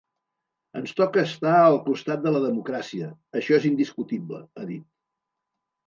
Ens toca estar al costat de la democràcia, això és indiscutible, ha dit.